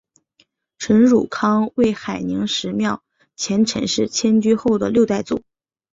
陈汝康为海宁十庙前陈氏迁居后的六代祖。